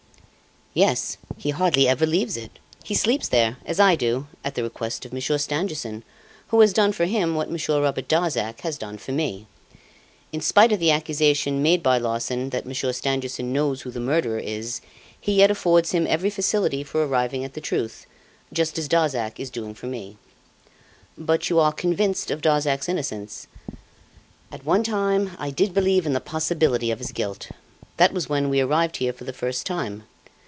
"Yes; he hardly ever leaves it! He sleeps there, as I do, at the request of Monsieur Stangerson, who has done for him what Monsieur Robert Darzac has done for me. In spite of the accusation made by Larsan that Monsieur Stangerson knows who the murderer is he yet affords him every facility for arriving at the truth, just as Darzac is doing for me." "But you are convinced of Darzac's innocence?" "At one time I did believe in the possibility of his guilt. That was when we arrived here for the first time.